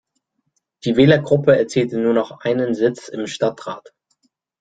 Die Wählergruppe erzielte nur noch einen Sitz im Stadtrat.